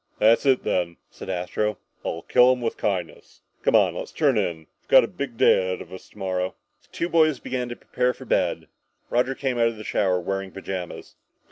"That's it, then," said Astro. "I'll kill him with kindness. Come on. Let's turn in. We've got a big day ahead of us tomorrow!" The two boys began to prepare for bed. Roger came out of the shower wearing pajamas.